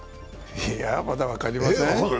いやあ、まだ分かりません。